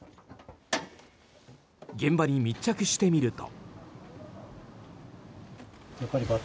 現場に密着してみると。